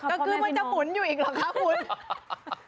ก็คือมันจะหมุนอยู่อีกหรอคะคุณ